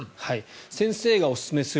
先生がおすすめする